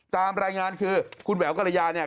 ตามรายงานคือคุณแหววกรยาเนี่ย